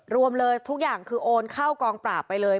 รวมเลยทุกอย่างคือโอนเข้ากองปราบไปเลย